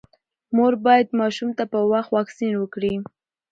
مور باید ماشوم ته په وخت واکسین وکړي۔